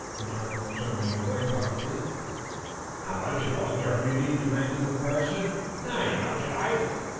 interrupted the submarine boy, thoughtfully. "How much, in all Germany?" demanded the Professor. "Nein! How should I know?"